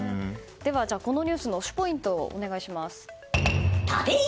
このニュースの推しポイントをお願いします。